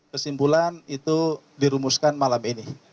kesimpulan itu dirumuskan malam ini